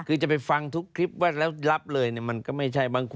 คือจะไปฟังทุกคลิปแล้วรับเลยมันก็ไม่ใช่